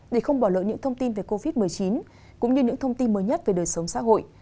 để không bỏ lỡ những thông tin về covid một mươi chín cũng như những thông tin mới nhất về đời sống xã hội